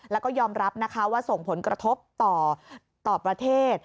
แล้วก็ยอมรับนะคะว่าส่งผลกระทบต่อประเทศ